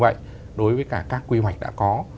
quy hoạch như vậy đối với cả các quy hoạch đã có